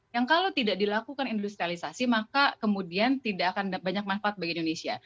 yang kalau tidak dilakukan industrialisasi maka kemudian tidak akan banyak manfaat bagi indonesia